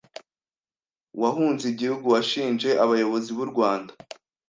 wahunze igihugu washinje abayobozi b’u Rwanda